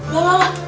lah lah lah